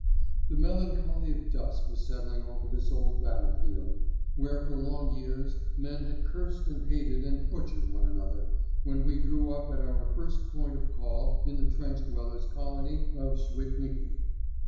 The melancholy of dusk was settling over this old battlefield, where for long years men had cursed and hated and butchered one another, when we drew up at our first point of call in the trench dwellers' colony of Switniki.